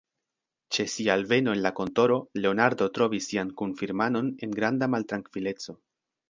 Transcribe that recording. Ĉe sia alveno en la kontoro, Leonardo trovis sian kunfirmanon en granda maltrankvileco.